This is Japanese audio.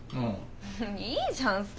いいじゃん